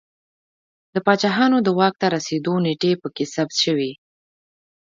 د پاچاهانو د واک ته رسېدو نېټې په کې ثبت شوې